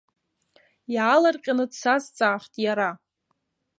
Иаалырҟьаны дсазҵаахт иара.